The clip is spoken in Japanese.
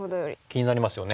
気になりますよね。